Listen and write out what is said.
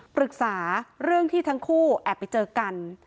ปรึกษาเรื่องที่ทั้งคู่แอบไปเจอกัน